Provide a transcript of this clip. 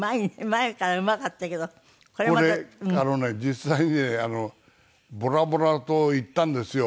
前からうまかったけどこれまた。これあのね実際にねボラボラ島行ったんですよ。